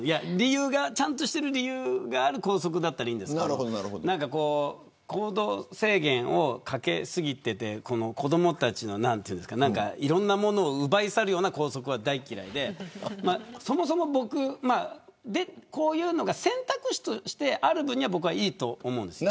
ちゃんと理由がある校則だったらいいんですが行動制限をかけ過ぎてて子どもたちのいろんなものを奪い去るような校則は大嫌いで選択肢としてある分にはいいと思うんです。